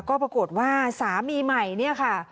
ก็ปรากฏว่าสามีใหม่เนี่ยค่ะ